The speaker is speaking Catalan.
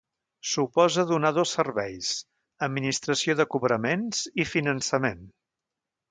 Suposa donar dos serveis: administració de cobraments i finançament.